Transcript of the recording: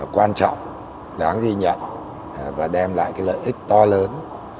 quan trọng đáng ghi nhận và đem lại lợi ích to lớn